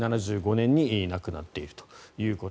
７５年に亡くなっていると。